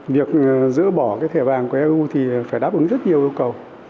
việc giữ bỏ thẻ vàng của eu thì phải đáp ứng rất nhiều yêu cầu